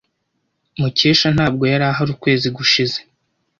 Mukesha ntabwo yari ahari ukwezi gushize.